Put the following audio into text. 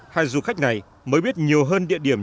hai du khách này mới biết nhiều hơn địa điểm